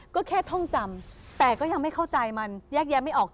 ก็แค่ท่องจำแต่ก็ยังไม่เข้าใจมันแยกแยะไม่ออก